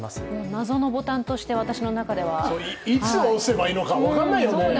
謎のボタンとして、私の中では。いつ押せばいいのか分からないよね！